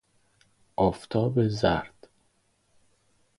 آفتاب زرد